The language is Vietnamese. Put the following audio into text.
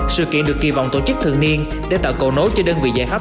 sự kiện được kỳ vọng tổ chức thường niên để tạo cầu nối cho đơn vị giải pháp